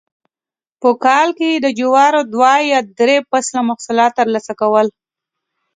په کال کې یې د جوارو دوه یا درې فصله محصولات ترلاسه کول